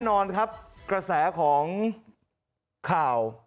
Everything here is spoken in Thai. นอนครับกระแสของข่าว